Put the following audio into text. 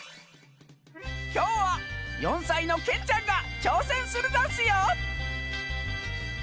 きょうは４さいのけんちゃんがちょうせんするざんすよ！